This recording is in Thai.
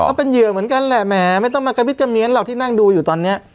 ก็เป็นเหยื่อเหมือนกันแหละแหมไม่ต้องมากระบิดกระเมียนหรอกที่นั่งดูอยู่ตอนนี้